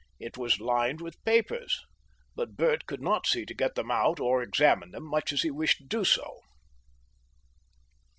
It was lined with papers. But Bert could not see to get them out or examine them, much as he wished to do so....